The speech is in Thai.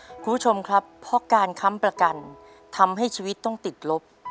คุณผู้ชมครับเพราะการค้ำประกันทำให้ชีวิตต้องติดลบ